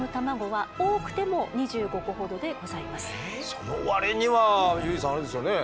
その割にはユージさんあれですよね？